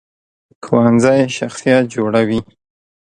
ښوونځی شخصیت جوړوي